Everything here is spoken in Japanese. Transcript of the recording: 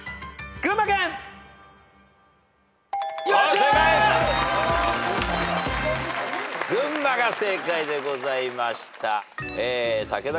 群馬が正解でございました。